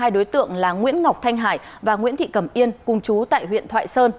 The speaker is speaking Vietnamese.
hai đối tượng là nguyễn ngọc thanh hải và nguyễn thị cẩm yên cùng chú tại huyện thoại sơn